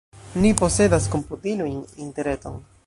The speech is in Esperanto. Ni posedas komputilojn, interreton.